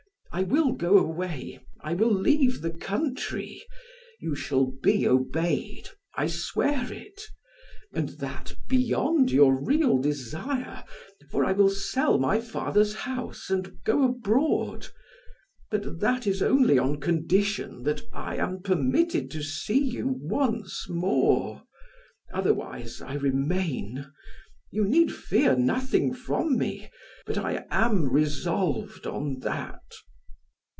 "I will go away, I will leave the country. You shall be obeyed, I swear it, and that beyond your real desire, for I will sell my father's house and go abroad; but that is only on condition that I am permitted to see you once more; otherwise I remain; you need fear nothing from me, but I am resolved on that."